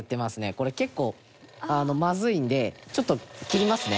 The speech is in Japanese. これ、結構まずいのでちょっと、切りますね。